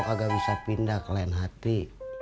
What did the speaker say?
gue agak bisa pindah ke lain hati